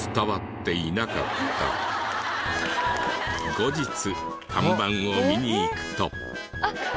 後日看板を見に行くと。